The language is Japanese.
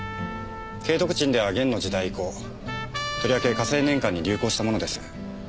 景徳鎮では元の時代以降とりわけ嘉靖年間に流行したものです。